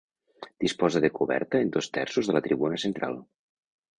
Disposa de coberta en dos terços de la tribuna central.